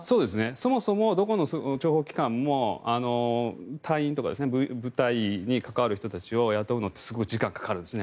そもそも、どこの諜報機関も隊員とか部隊に関わる人たちを雇うのってすごい時間がかかるんですね。